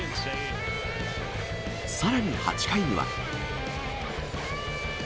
さらに８回には。